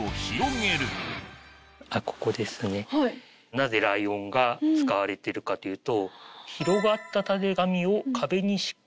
なぜライオンが使われてるかというと。